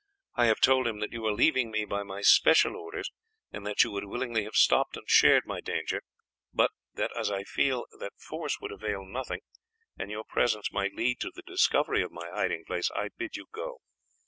I have told him that you are leaving me by my special orders, and that you would willingly have stopped and shared my danger, but that, as I feel that force would avail nothing and your presence might lead to the discovery of my hiding place, I bid you go.